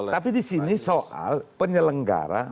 tapi disini soal penyelenggara